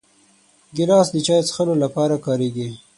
ګیلاس د چایو د څښلو لپاره کارېږي.